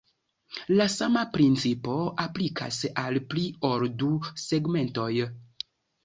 La sama principo aplikas al pli ol du segmentoj.